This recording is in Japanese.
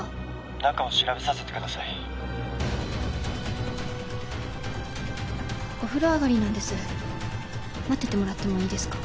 中を調べさせてくださいお風呂上がりなんです待っててもらってもいいですか？